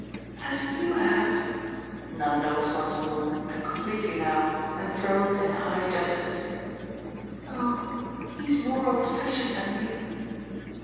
"As YOU have?" Nanda was once more and completely now enthroned in high justice. "Oh he's more old fashioned than you."